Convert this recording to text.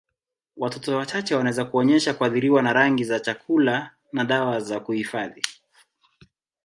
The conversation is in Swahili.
Watoto wachache wanaweza kuonyesha kuathiriwa na rangi za chakula na dawa za kuhifadhi.